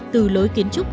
từ lối kiến trúc